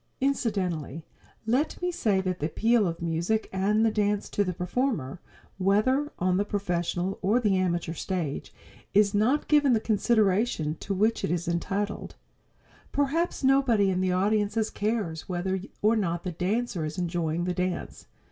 Incidentally, let me say that the appeal of music and the dance to the performer, whether on the professional or the amateur stage, is not given the consideration to which it is entitled. Perhaps nobody in the audience cares whether or not the dancer is enjoying the dance.